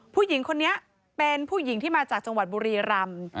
ผู้หญิงคนนี้เป็นผู้หญิงที่มาจากจังหวัดบุรีรำ